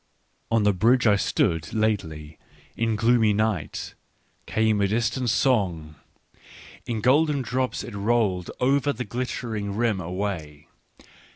On the bridge I stood Lately, in gloomy night. Came a distant song : In golden drops it rolled Over the glittering rim away.